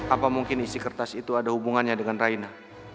apa mungkin isi kertas itu ada hubungannya dengan raina